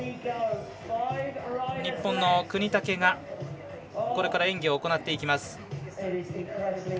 日本の國武がこれから演技を行っていきます。